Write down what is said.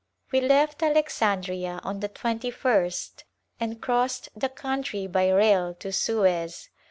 We left Alexandria on the twenty first and crossed the country by rail to Suez.